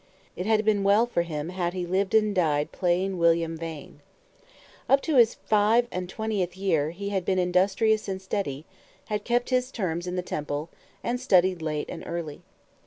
It had been well for him had he lived and died plain William Vane. Up to his five and twentieth year, he had been industrious and steady, had kept his terms in the Temple, and studied late and early.